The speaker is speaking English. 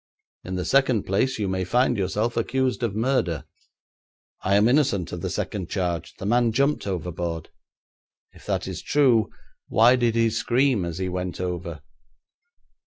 'In the second place, you may find yourself accused of murder.' 'I am innocent of the second charge. The man jumped overboard.' 'If that is true, why did he scream as he went over?'